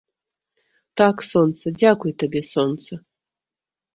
Так, сонца, дзякуй табе, сонца!